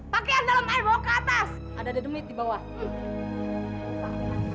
pakaian dalam ayo bawa ke atas ada dedemit di bawah hmm